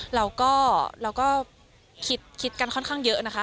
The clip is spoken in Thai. เราก็เราก็คิดกันค่อนข้างเยอะนะคะ